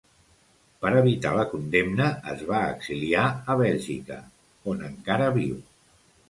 Per evitar la condemna, es va exiliar a Bèlgica, on encara viu.